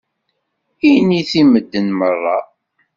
Init i medden meṛṛa.